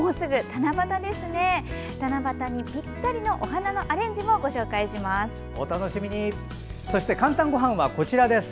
七夕にぴったりのお花のアレンジもご紹介します。